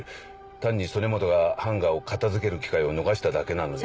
単に曽根本がハンガーを片付ける機会を逃しただけなのでは？